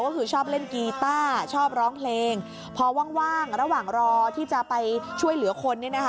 ก็คือชอบเล่นกีต้าชอบร้องเพลงพอว่างระหว่างรอที่จะไปช่วยเหลือคนเนี่ยนะคะ